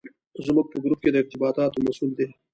زموږ په ګروپ کې د ارتباطاتو مسوول دی.